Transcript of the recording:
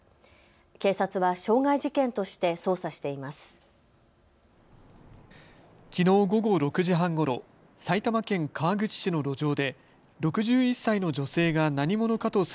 警察は傷害事件として捜査しています。